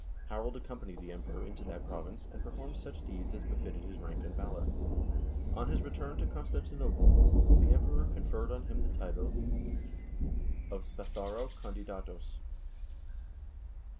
Harald accompanied the Emperor into that province, and performed such deeds as befitted his rank and valor. On his return to Constantinople the Emperor conferred on him the title of " spatharo kandidatos."